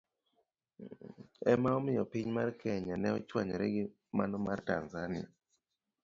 Ema omiyo piny mar Kenya ne ochwanyore gi mano mar Tanzania.